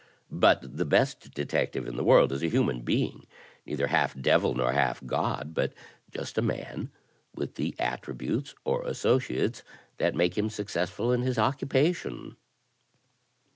But the best detective in the world is a human being, neither half devil nor half god, but just a man with the attributes or associates that make him successful in his occupation.